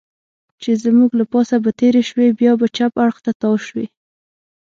چې زموږ له پاسه به تېرې شوې، بیا به چپ اړخ ته تاو شوې.